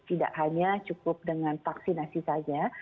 tidak hanya cukup dengan vaksinasi saja